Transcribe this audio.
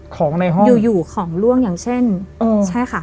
ของในห้องอยู่อยู่ของล่วงอย่างเช่นเออใช่ค่ะ